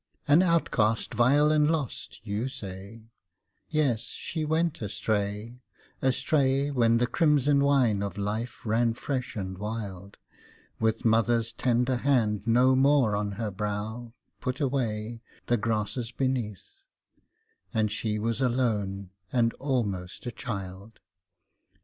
"An outcast vile and lost," you say, yes, she went astray, Astray, when the crimson wine of life ran fresh and wild, With mother's tender hand no more on her brow, put away The grasses beneath, and she was alone and almost a child.